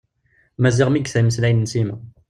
Maziɣ mi yesla i yimeslayen n Sima.